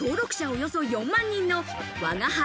およそ４万人の「吾輩